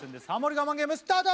我慢ゲームスタート！